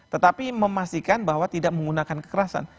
tetapi memastikan bahwa tidak menggunakan kekerasan